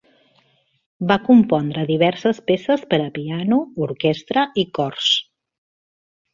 Va compondre diverses peces per a piano, orquestra i cors.